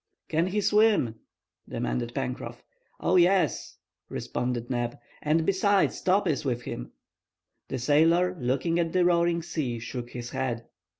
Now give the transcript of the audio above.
"Can he swim?" demanded Pencroff. "Oh, yes," responded Neb. "And, besides, Top is with him—" The sailor, looking at the roaring sea, shook his head.